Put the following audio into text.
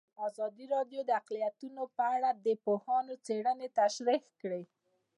ازادي راډیو د اقلیتونه په اړه د پوهانو څېړنې تشریح کړې.